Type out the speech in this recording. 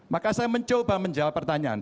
maka saya mencoba menjawab pertanyaan